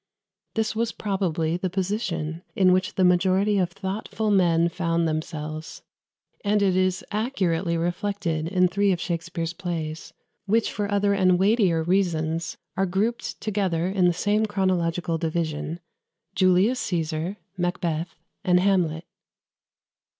This was probably the position in which the majority of thoughtful men found themselves; and it is accurately reflected in three of Shakspere's plays, which, for other and weightier reasons, are grouped together in the same chronological division "Julius Caesar," "Macbeth," and "Hamlet."